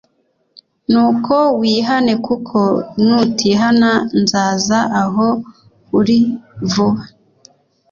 Nuko wihane kuko nutihana nzaza aho uri vuba,